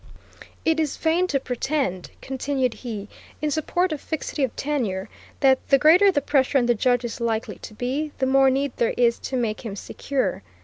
It is vain to pretend, continued he, in support of fixity of tenure, that the greater the pressure on the judge is likely to be, the more need there is to make him secure.